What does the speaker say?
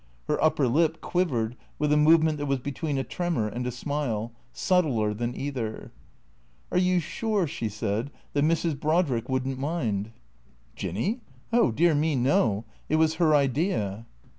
Her upper lip quivered with a movement that was between a tremor and a smile, subtler than either. " Are you sure," she said, " that Mrs. Brodrick would n't mind?" " Jinny ? Oh dear me, no. It was her idea."